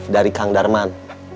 dari kang darman